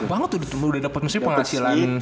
enak banget tuh udah dapet penghasilan